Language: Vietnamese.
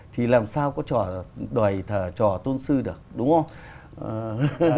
thì làm sao có đòi trò tôn sư được đúng không